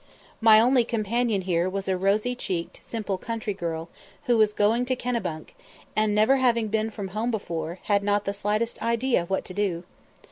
My only companion here was a rosy cheeked, simple country girl, who was going to Kennebunk, and, never having been from home before, had not the slightest idea what to do.